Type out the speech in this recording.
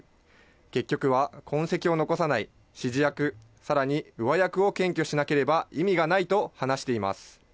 結局は痕跡を残さない指示役、さらに上役を検挙しなければ意味がないと話しています。